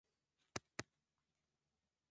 lakini lazima tujue ni nini imefanyika sehemu zingine